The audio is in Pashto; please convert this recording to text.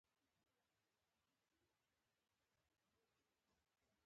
وزې هڅه وکړه چې په يو پټ ځای کې د ماشومانو خواږه پټ کړي.